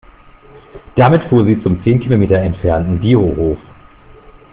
Damit fuhr sie zum zehn Kilometer entfernten Biohof.